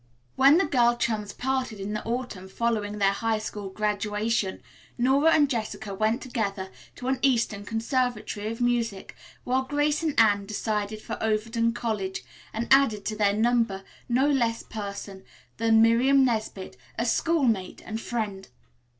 When the girl chums parted in the autumn following their high school graduation, Nora and Jessica went together to an eastern conservatory of music, while Grace and Anne decided for Overton College and added to their number no less person than Miriam Nesbit, a schoolmate and friend.